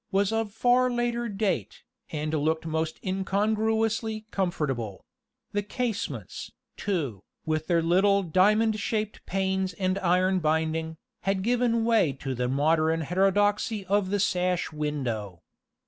was of far later date, and looked most incongruously comfortable; the casements, too, with their little diamond shaped panes and iron binding, had given way to the modern heterodoxy of the sash window.